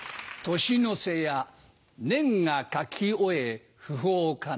年の瀬や年賀書き終え訃報かな。